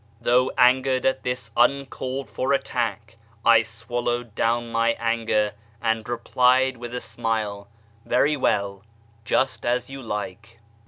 ' Though angered at this uncalled for attack, I swallowed down my anger, and replied with a smile, ' Very well, just as you like.'